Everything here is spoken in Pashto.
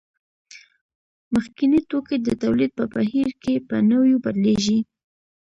مخکیني توکي د تولید په بهیر کې په نویو بدلېږي